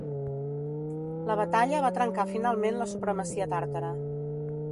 La batalla va trencar finalment la supremacia tàrtara.